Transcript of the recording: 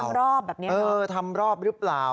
ทำรอบแบบนี้หรือเปล่าเออทำรอบหรือเปล่า